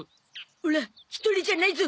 オラ一人じゃないゾ。